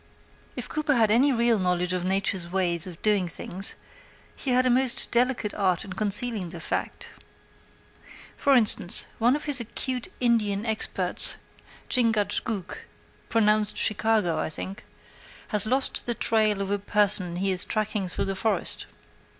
If Cooper had any real knowledge of Nature's ways of doing things, he had a most delicate art in concealing the fact. For instance: one of his acute Indian experts, Chingachgook (pronounced Chicago, I think), has lost the trail of a person he is tracking through the forest.